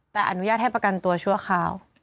แต่อนุญาตให้ประกันตัวชั่วคราว